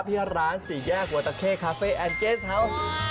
ที่ร้านสี่แยกหัวตะเคคาเฟ่แอนเจสครับ